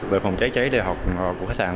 về phòng cháy cháy đại học của khách sạn